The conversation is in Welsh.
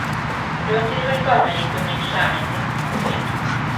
Rwy wedi rhoi'r gorau i gymryd llaeth yn fy nghoffi.